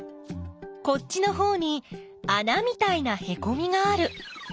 こっちのほうにあなみたいなへこみがある。